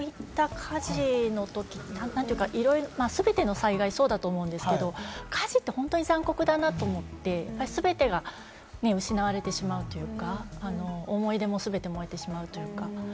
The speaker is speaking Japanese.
こういった火事のとき、なんというか、全ての災害がそうだと思うんですけれども、火事って残酷だなと思っていて、全てが失われてしまうというか、思い出も全て燃えてしまうというか。